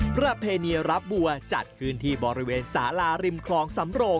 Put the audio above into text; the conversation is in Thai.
ประเพณีรับบัวจัดขึ้นที่บริเวณสาลาริมคลองสำโรง